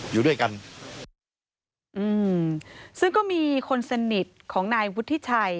อยู่ด้วยกันอืมซึ่งก็มีคนสนิทของนายวุฒิชัย